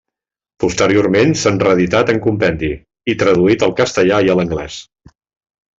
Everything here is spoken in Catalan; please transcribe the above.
Posteriorment s'han reeditat en compendi, i traduït al castellà i a l'anglès.